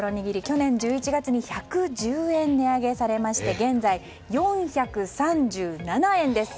去年１１月に１１０円値上げされまして現在４３７円です。